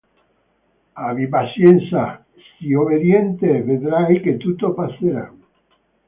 Abbi pazienza, sii obbediente, vedrai che tutto passerà.